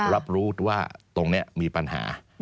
รับรู้ว่าตรงนี้มีปัญหา